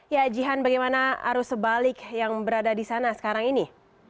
ya jihan bagaimana arus sebalik yang berada di sana sekarang ini